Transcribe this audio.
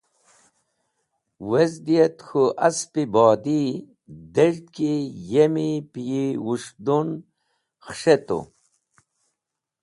Wezdi et k̃hũ Asp-e Bodi dez̃hd ki yemi pẽ yi wus̃hdun khẽs̃hetu .